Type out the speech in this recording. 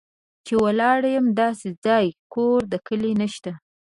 چې ولاړ یم داسې ځای، کور د کلي نه شته